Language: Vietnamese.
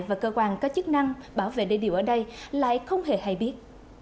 và cơ quan có chức năng bảo vệ đê điều ở đây lại không hề hay biết